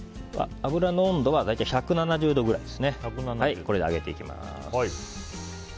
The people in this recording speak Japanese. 油の温度は大体１７０度くらいです。